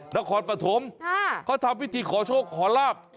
นครปฐมเขาทำพิธีขอโชคขอลาบ